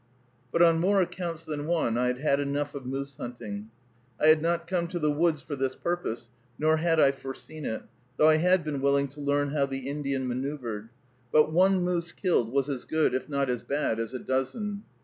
But, on more accounts than one, I had had enough of moose hunting. I had not come to the woods for this purpose, nor had I foreseen it, though I had been willing to learn how the Indian manœuvred; but one moose killed was as good, if not as bad, as a dozen.